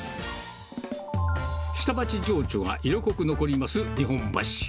下町情緒が色濃く残ります日本橋。